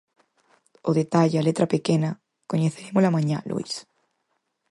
O detalle, a letra pequena, coñecerémola mañá, Luís...